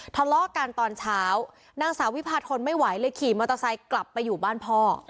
ทะเลาะกันตอนเช้านางสาววิพาทนไม่ไหวเลยขี่มอเตอร์ไซค์กลับไปอยู่บ้านพ่อ